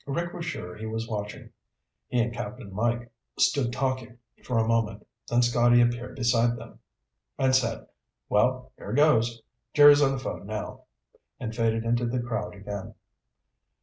Rick was sure he was watching. He and Cap'n Mike stood talking for a moment, then Scotty appeared beside them, and said, "Well, here goes Jerry's on the phone now," and faded into the crowd again.